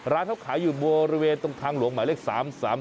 ร้านเขาขายอยู่บริเวณตรงทางหลวงหมายเลข๓๓